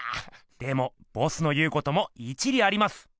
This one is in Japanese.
でもボスの言うことも一理あります。